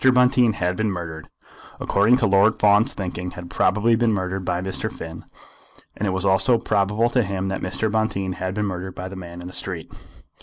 Bonteen had been murdered; according to Lord Fawn's thinking had probably been murdered by Mr. Finn. And it was also probable to him that Mr. Bonteen had been murdered by the man in the street.